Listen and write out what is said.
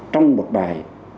trong một bài